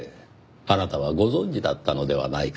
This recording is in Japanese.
あなたはご存じだったのではないかと。